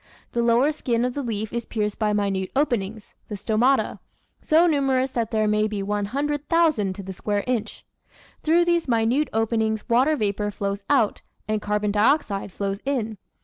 The lower skin of the leaf is pierced by minute openings the stomata so numerous that there may be one hundred thousand to the square inch. Through these minute openings water vapour flows out, and carbon dioxide flows in.